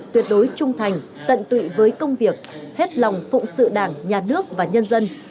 tuyệt đối trung thành tận tụy với công việc hết lòng phụng sự đảng nhà nước và nhân dân